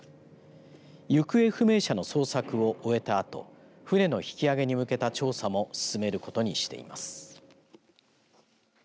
行方不明者の捜索を終えたあと船の引き揚げに向けた調査も進めることにしています。